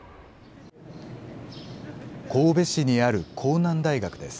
神戸市にある甲南大学です。